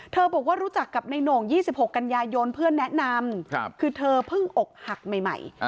บอกว่ารู้จักกับในโหน่ง๒๖กันยายนเพื่อนแนะนำคือเธอเพิ่งอกหักใหม่